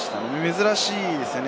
珍しいですね。